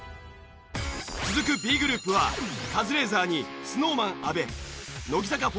続くＢグループはカズレーザーにＳｎｏｗＭａｎ阿部乃木坂４６